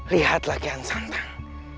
lihatlah kian santang